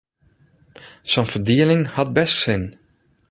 Sa’n ferdieling hat best sin.